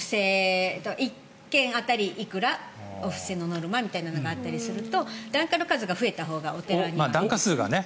１件当たりいくらお布施のノルマみたいなのがあったりすると檀家の数が増えたほうがお寺にとってはいいですよね。